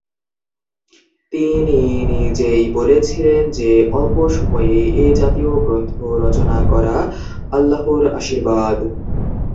তিনি নিজেই বলেছিলেন যে অল্প সময়ে এ জাতীয় গ্রন্থ রচনা করা আল্লাহর আশীর্বাদ।